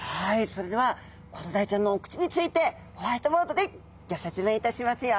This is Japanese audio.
それではコロダイちゃんのお口についてホワイトボードでギョ説明いたしますよ。